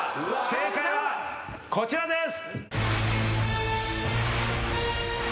正解はこちらです。